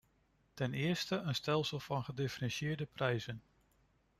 Ten eerste, een stelsel van gedifferentieerde prijzen.